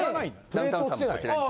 ダウンタウンさんもこちらに。